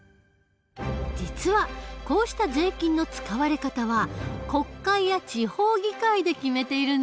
実はこうした税金の使われ方は国会や地方議会で決めているんだ。